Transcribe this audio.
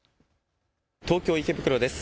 東京池袋です。